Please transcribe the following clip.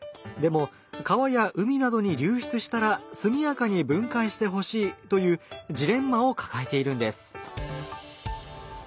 でも川や海などに流出したら速やかに分解してほしいというジレンマを抱えているんです。